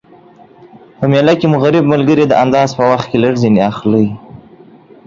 په میله کی مو غریب ملګري د انداز په وخت کي لږ ځیني اخلٸ